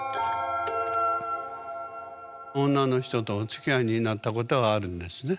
女の人とおつきあいになったことはあるんですね？